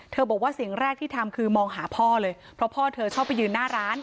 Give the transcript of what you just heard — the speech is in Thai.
บอกว่าสิ่งแรกที่ทำคือมองหาพ่อเลยเพราะพ่อเธอชอบไปยืนหน้าร้าน